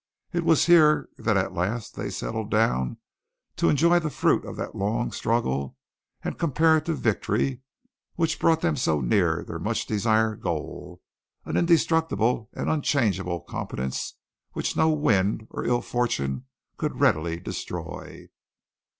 It was here that at last they settled down to enjoy the fruit of that long struggle and comparative victory which brought them so near their much desired goal an indestructible and unchangeable competence which no winds of ill fortune could readily destroy.